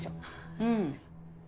うん。